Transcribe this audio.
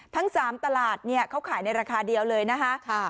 ทั้ง๓ตลาดเนี่ยเขาขายในราคาเดียวเลยนะคะ